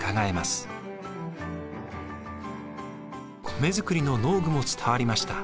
米作りの農具も伝わりました。